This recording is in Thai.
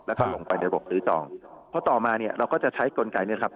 แล้วก็ลงไปในระบบซื้อจองเพราะต่อมาเนี่ยเราก็จะใช้กลไกเนี้ยครับ